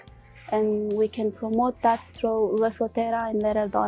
dan kita bisa mempromosikan itu melalui referensi tersebut